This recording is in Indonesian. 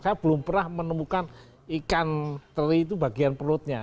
saya belum pernah menemukan ikan teri itu bagian perutnya